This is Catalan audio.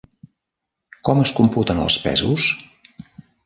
Com es computen els pesos?